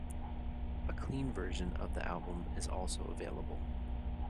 A clean version of the album is also available.